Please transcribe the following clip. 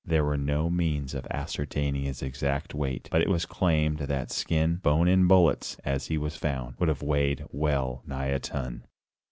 There were no means of ascertaining his exact weight, but it was claimed that skin, bone and bullets, as he was found, he would have weighed well nigh a ton.